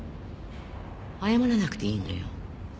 謝らなくていいのよ。